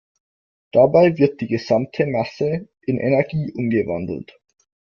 Dabei wird die gesamte Masse in Energie umgewandelt.